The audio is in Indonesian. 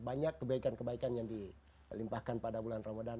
banyak kebaikan kebaikan yang dilimpahkan pada bulan ramadan